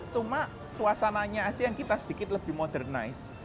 cuma suasananya aja yang kita sedikit lebih modernize